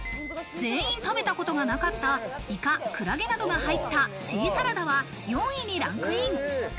全員食べたことがなかったイカ、クラゲなどが入ったシーサラダは４位にランクイン。